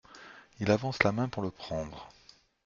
Il avance la main pour le prendre.